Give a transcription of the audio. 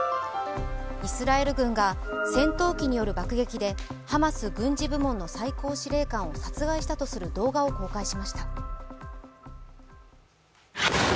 イスラエル軍が戦闘機による爆撃でハマス軍事部門の最高司令官を殺害したとする動画を公開しました。